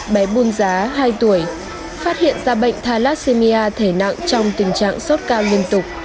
bé bùn giá hai tuổi phát hiện ra bệnh thalassemia thể nặng trong tình trạng sốt cao liên tục